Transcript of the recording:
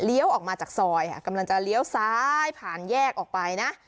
ออกมาจากซอยกำลังจะเลี้ยวซ้ายผ่านแยกออกไปนะ